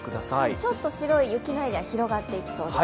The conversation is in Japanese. ちょっと白い雪のエリア広がっていきそうです。